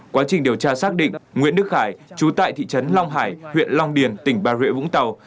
quá trình điều tra xác định nguyễn đức khải chú tại thị trấn long hải huyện long điền tỉnh bà rịa vũng tàu